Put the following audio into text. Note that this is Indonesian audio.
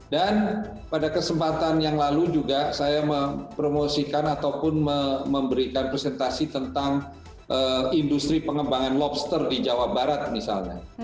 dan pada kesempatan yang lalu juga saya mempromosikan ataupun memberikan presentasi tentang industri pengembangan lobster di jawa barat misalnya